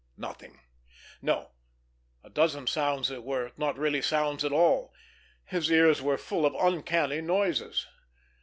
Nothing! No; a dozen sounds that were not really sounds at all. His ears were full of uncanny noises.